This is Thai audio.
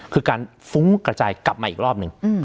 คือการฟุ้งกระจายกลับมาอีกรอบหนึ่ง